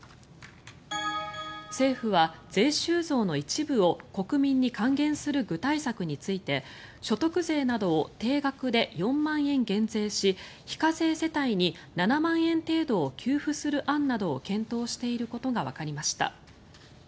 政府は税収増の一部を国民に還元する具体策について所得税などを定額で４万円減税し非課税世帯に７万円程度を給付する案などを検討していることがわかりました。